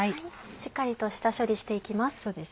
しっかりと下処理して行きます。